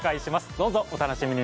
どうぞ、お楽しみに。